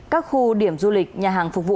các khu điểm du lịch nhà hàng phục vụ